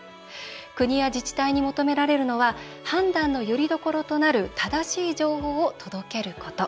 国や自治体に求められるのは判断のよりどころとなる正しい情報を届けること。